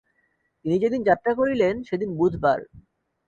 তিনি যেদিন যাত্রা করিলেন, সেদিন বুধবার।